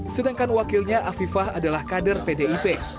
sedangkan wakilnya afifah adalah kader pdip